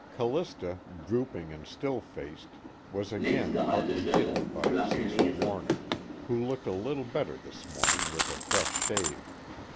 Callista, drooping and still faced, was again partly hidden by Cecil Warner, who looked a little better this morning with a fresh shave.